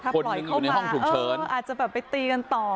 คนหนึ่งอยู่ในห้องฉุกเฉินถ้าปล่อยเข้ามาอาจจะไปตีกันต่อ